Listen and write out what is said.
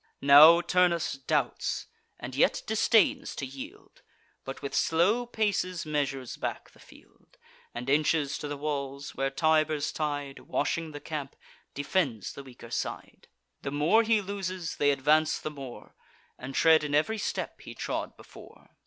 Now Turnus doubts, and yet disdains to yield, But with slow paces measures back the field, And inches to the walls, where Tiber's tide, Washing the camp, defends the weaker side. The more he loses, they advance the more, And tread in ev'ry step he trod before.